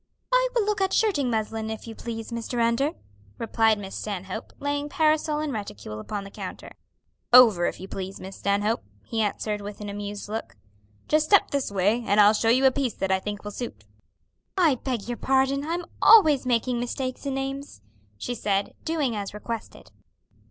"I will look at shirting muslin, if you please, Mr. Under," replied Miss Stanhope, laying parasol and reticule upon the counter. "Over, if you please, Miss Stanhope," he answered with an amused look. "Just step this way, and I'll show you a piece that I think will suit." "I beg your pardon, I'm always making mistakes in names," she said, doing as requested.